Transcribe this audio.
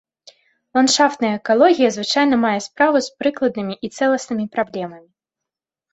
Ландшафтная экалогія звычайна мае справу з прыкладнымі і цэласнымі праблемамі.